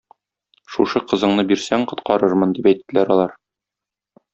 Шушы кызыңны бирсәң, коткарырмын, - дип әйттеләр алар.